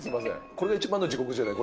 これが一番の地獄じゃない。